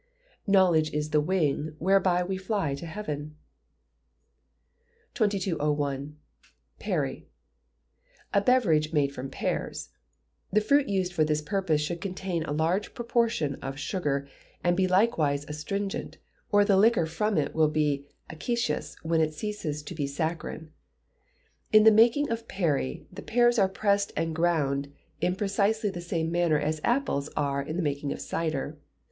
[KNOWLEDGE IS THE WING WHEREBY WE FLY TO HEAVEN.] 2201. Perry. A beverage made from pears. The fruit used for this purpose should contain a large proportion of sugar, and be likewise astringent, or the liquor from it will be acetous when it ceases to be saccharine. In the making of perry, the pears are pressed and ground in precisely the same manner as apples are in the making of cider.